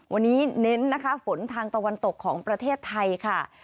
วันนี้เน้นนะคะฝนทางตะวันตกของประเทศไทยค่ะ